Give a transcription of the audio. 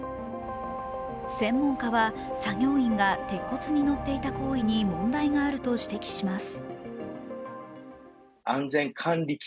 専門家は作業員が鉄骨に乗っていた行為に問題があると指摘します。